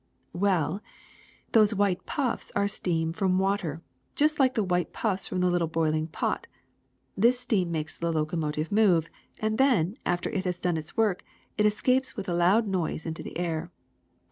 ^^Well, those white puffs are steam from water, just like the white puffs from the little boiling pot. This steam makes the locomotive move, and then, after it has done its work, it escapes with a loud noise into the air.